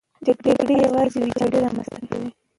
جګړې یوازې ویجاړي رامنځته کوي.